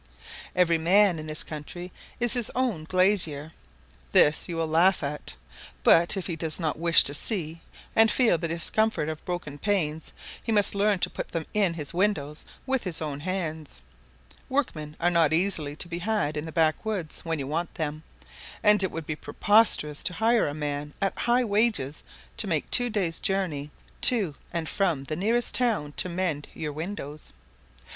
Every man in this country is his own glazier; this you will laugh at: but if he does not wish to see and feel the discomfort of broken panes, he must learn to put them in his windows with his own hands. Workmen are not easily to be had in the backwoods when you want them, and it would be preposterous to hire a man at high wages to make two days' journey to and from the nearest town to mend your windows.